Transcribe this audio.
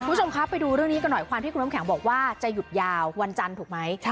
คุณผู้ชมครับไปดูเรื่องนี้กันหน่อยความที่คุณน้ำแข็งบอกว่าจะหยุดยาววันจันทร์ถูกไหม